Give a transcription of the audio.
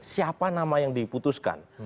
siapa nama yang diputuskan